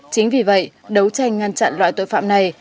chính vì vậy đấu tranh ngăn chặn loại tội phạm này